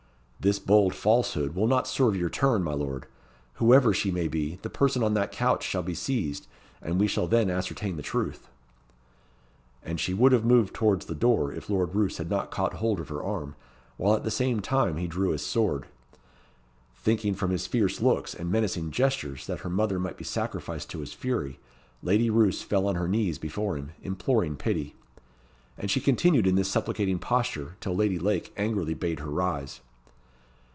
"This bold falsehood will not serve your turn, my lord. Whoever she may be, the person on that couch shall be seized, and we shall then ascertain the truth." And she would have moved towards the door, if Lord Roos had not caught hold of her arm, while at the same time he drew his sword. Thinking from his fierce looks and menacing gestures that her mother might be sacrificed to his fury, Lady Roos fell on her knees before him, imploring pity; and she continued in this supplicating posture till Lady Lake angrily bade her rise.